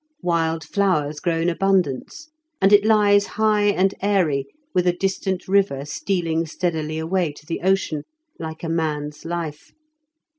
Wild flowers grow in abundance, and it lies high and airy, with a distant river stealing steadily away to the ocean, like a man's life.